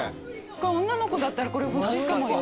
女の子だったらこれ欲しいかもよ。